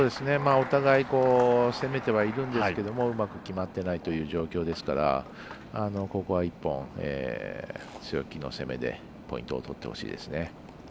お互い攻めてはいるんですがうまく決まっていないという状況ですからここは１本、強気の攻めでポイントを取ってほしいですね。